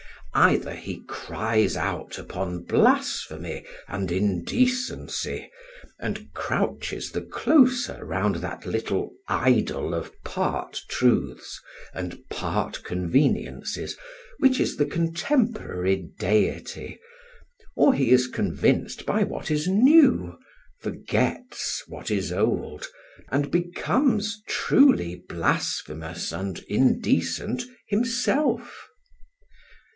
Either he cries out upon blasphemy and indecency, and crouches the closer round that little idol of part truths and part conveniences which is the contemporary deity, or he is convinced by what is new, forgets what is old, and becomes truly blasphemous and indecent himself.